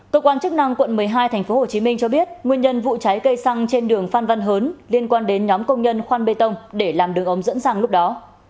cơ quan chức năng quận một mươi hai tp hcm cho biết nguyên nhân vụ cháy cây xăng trên đường phan văn hớn liên quan đến nhóm công nhân khoan bê tông để làm đường ống dẫn sang lúc đó